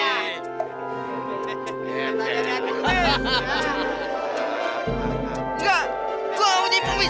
enggak gue mau dipumis